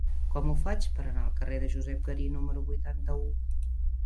Com ho faig per anar al carrer de Josep Garí número vuitanta-u?